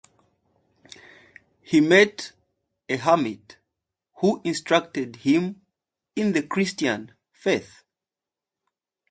He met a hermit who instructed him in the Christian faith.